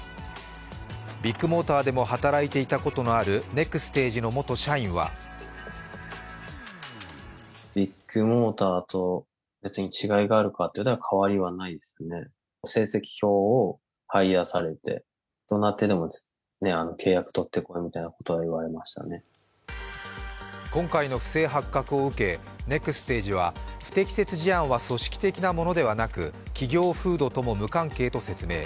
ビッグモーターでも働いていたことのあるネクステージの元社員は今回の不正発覚を受け、ネクステージは、不適切事案は組織的なものではなく企業風土とも無関係と説明。